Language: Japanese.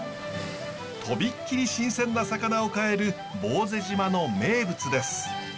飛びっ切り新鮮な魚を買える坊勢島の名物です。